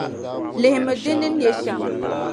Lihimi di ni ne shɛm.